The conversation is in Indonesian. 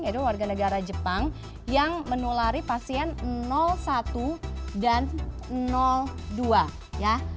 yaitu warga negara jepang yang menulari pasien satu dan dua ya